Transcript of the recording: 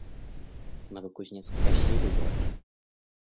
Новокузнецк — красивый город